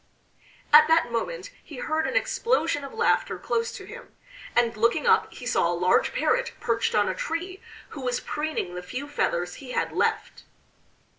At that moment he heard an explosion of laughter close to him, and looking up he saw a large Parrot perched on a tree, who was preening the few feathers he had left.